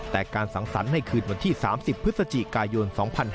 แต่การสังสรรค์ในคืนวันที่๓๐พฤศจิกายน๒๕๕๙